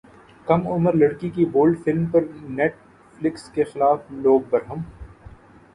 کم عمر لڑکی کی بولڈ فلم پر نیٹ فلیکس کے خلاف لوگ برہم